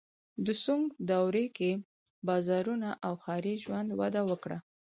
د سونګ دورې کې بازارونه او ښاري ژوند وده وکړه.